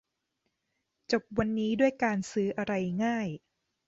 จบวันนี้ด้วยการซื้ออะไรง่าย